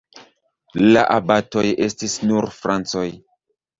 La abatoj estis nur francoj.